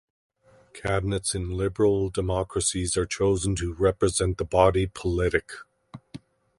Cabinets in liberal democracies are chosen to represent the body politic.